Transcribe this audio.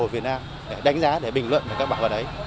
đầu ở việt nam để đánh giá để bình luận về các bảo vật ấy